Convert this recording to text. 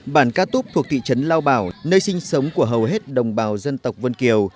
bản ca túc thuộc thị trấn lao bảo nơi sinh sống của hầu hết đồng bào dân tộc vân kiều